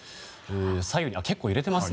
左右に結構揺れていますね。